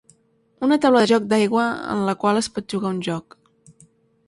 Una taula de joc d'aigua en la qual es pot jugar un joc.